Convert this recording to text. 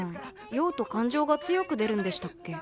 酔うと感情が強く出るんでしたっけ？